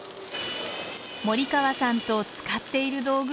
森川さんと使っている道具は全く同じ。